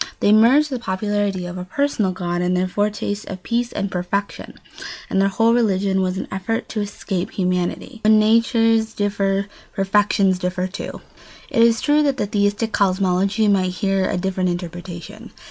They merged the popular idea of a personal God in their foretaste of peace and perfection; and their whole religion was an effort to escape humanity. [Sidenote: When natures differ perfections differ too.] It is true that the theistic cosmology might hear a different interpretation.